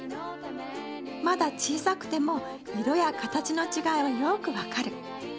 まだ小さくても色や形の違いはよく分かる。